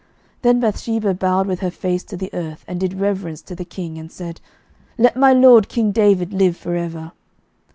11:001:031 Then Bathsheba bowed with her face to the earth, and did reverence to the king, and said, Let my lord king David live for ever.